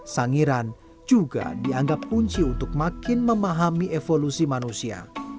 sangiran juga dianggap kunci untuk makin memahami evolusi manusia